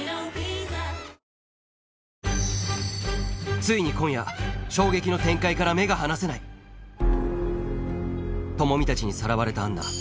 ついに今夜衝撃の展開から目が離せない朋美たちにさらわれたアンナ